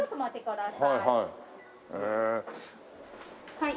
はい。